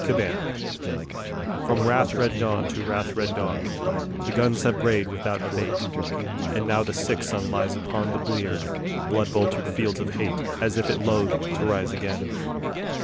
The Lark From wrath red dawn to wrath red dawn, The guns have brayed without abate; And now the sick sun looks upon The bleared, blood boltered fields of hate As if it loathed to rise again.